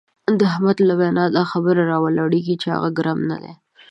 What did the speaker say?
د احمد له وینا دا خبره را ولاړېږي چې هغه ګرم نه دی.